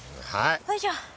よいしょ。